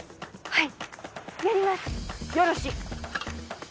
はい。